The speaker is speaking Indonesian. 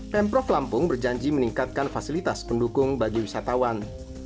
pemprov lampung berjanji meningkatkan fasilitas pendukung bagi wisatawan